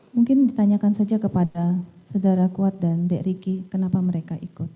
mungkin ditanyakan saja kepada saudara kuat dan dek ricky kenapa mereka ikut